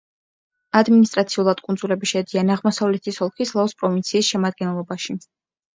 ადმინისტრაციულად კუნძულები შედიან აღმოსავლეთის ოლქის ლაუს პროვინციის შემადგენლობაში.